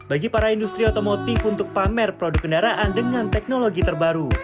bagi para industri otomotif untuk pamer produk kendaraan dengan teknologi terbaru